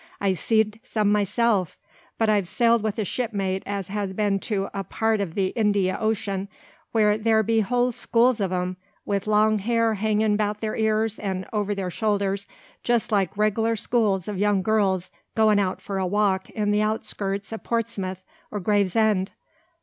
I've seed some myself; but I've sailed with a shipmate as has been to a part o' the Indyan Ocean, where there be whole schools o' 'em, wi' long hair hangin' about their ears an' over their shoulders, just like reg'lar schools o' young girls goin' out for a walk in the outskirts o' Portsmouth or Gravesend.